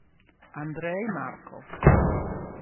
Andrej Markov